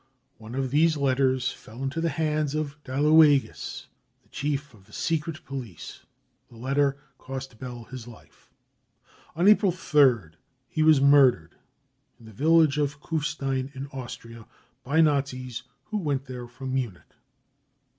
One of these letters fell into the hands of Dalueges, the chief of the secret police. The letter cost Bell his life. On April 3rd he was mur dered in the village of Kufstein in Austria, by Nazis who went there from Munich.